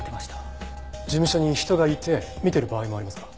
事務所に人がいて見てる場合もありますか？